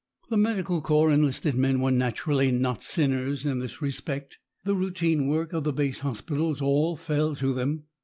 The Medical Corps enlisted men were naturally not sinners in this respect. The routine work of the base hospitals all fell to them.